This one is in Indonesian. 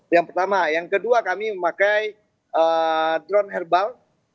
yang pertama yang kedua kami memakai drone herbal